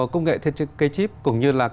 công nghệ thiết kế chip cũng như là